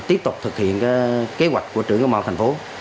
đầu tiếp tục thực hiện kế hoạch của trưởng công an tp